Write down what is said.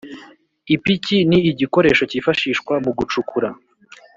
Ipiki ni igikoresho kifashishwa mu gucukura